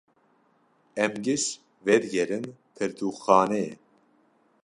Em giş vedigerin pirtûkxaneyê.